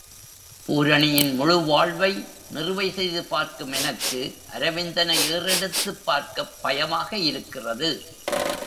பூரணியின் முழு வாழ்வை நிறுவை செய்து பார்க்கும் எனக்கு அரவிந்தனை ஏறெடுத்துப் பார்க்கப் பயமாக இருக்கிறது.